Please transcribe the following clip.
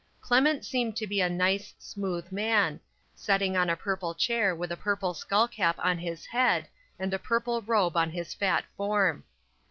Clement seemed to be a nice, smooth man, setting on a purple chair with a purple skull cap on his head, and a purple robe on his fat form.